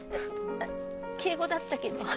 敬語だったけど。